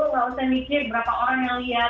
tentu saja berapa orang yang lihat